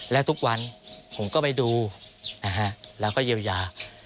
แล้วทุกวันผมก็ไปดูแล้วก็เยียวยา